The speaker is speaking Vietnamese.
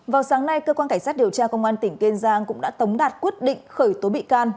vào sáng nay cơ quan cảnh sát điều tra công an tỉnh kiên giang cũng đã tống đạt quyết định khởi tố bị can